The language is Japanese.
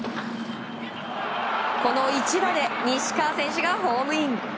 この一打で西川選手がホームイン。